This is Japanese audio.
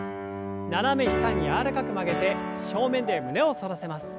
斜め下に柔らかく曲げて正面で胸を反らせます。